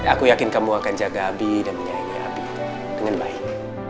aku yakin kamu akan jaga abi dan menyayangi abi itu dengan baik